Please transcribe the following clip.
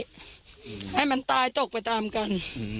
ไม่ให้มันตายตกไปตามกัน